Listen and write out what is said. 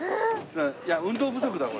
いや運動不足だこれ。